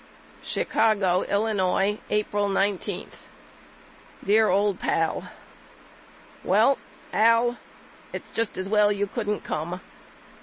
Chicago, Illinois, April ig. DEAR OLD PAL: Well Al it's just as well you couldn't come.